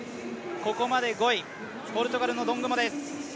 ここまで５位、ポルトガルのドングモです。